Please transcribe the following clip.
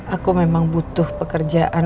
aku memang butuh pekerjaan